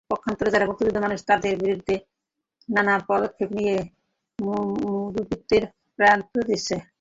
পক্ষান্তরে যারা মুক্তবুদ্ধির মানুষ, তাদের বিরুদ্ধে নানা পদক্ষেপ নিয়ে দুর্বৃত্তদের প্রশ্রয় দিচ্ছে।